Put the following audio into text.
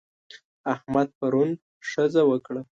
احمد پرون ښځه وکړه.